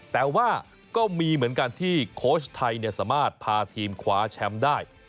แต่ว่าก็มีเหมือนกันที่โค้ชไทยสามารถพาทีมคว้าแชมป์ได้